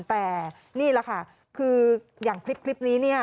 แต่นี่แหละค่ะคืออย่างคลิปนี้เนี่ย